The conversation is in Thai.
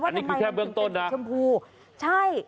อันนี้คือแค่เบื้องต้นนะว่าทำไมมันเป็นเฉมพูใช่